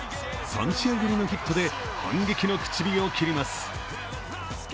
３試合ぶりのヒットで反撃の口火を切ります。